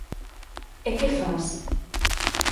E que fas?